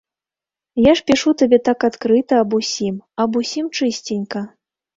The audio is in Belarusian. Я ж пішу табе так адкрыта аб усім, аб усім чысценька.